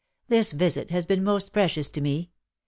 '^ This visit has been most precious to me.